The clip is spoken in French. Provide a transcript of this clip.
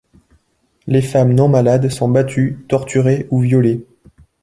Les femmes non malades sont battues, torturées ou violées.